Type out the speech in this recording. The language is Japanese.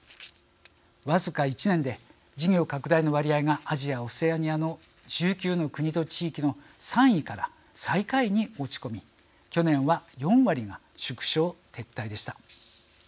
僅か１年で事業拡大の割合がアジア、オセアニアの１９の国と地域の３位から最下位に落ち込み去年は４割が縮小、撤退でした。